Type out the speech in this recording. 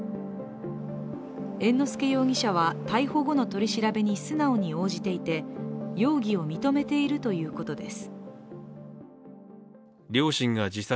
猿之助容疑者は逮捕後の取り調べに素直に応じていて容疑を認めているということです。